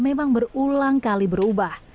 memang berulang kali berubah